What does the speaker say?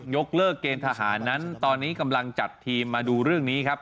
ยกเลิกเกณฑ์ทหารนั้นตอนนี้กำลังจัดทีมมาดูเรื่องนี้ครับ